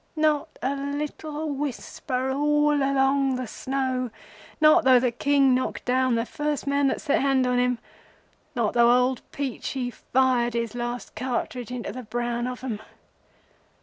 Not a little whisper all along the snow, not though the King knocked down the first man that set hand on him—not though old Peachey fired his last cartridge into the brown of 'em.